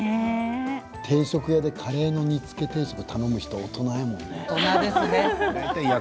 定食屋でカレイの煮つけ定食を頼む人は大人だもん。